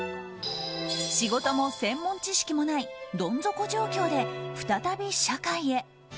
仕事も専門知識もないどん底状況で再び社会へ。